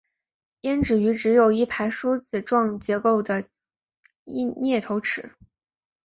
胭脂鱼只有一排梳子状结构的咽头齿。